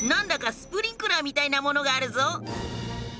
スプリンクラーみたいなものがあるぞ。